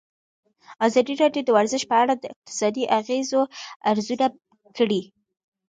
ازادي راډیو د ورزش په اړه د اقتصادي اغېزو ارزونه کړې.